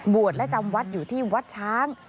และจำวัดอยู่ที่วัดช้าง